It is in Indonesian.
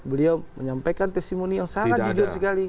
beliau menyampaikan testimoni yang sangat jujur sekali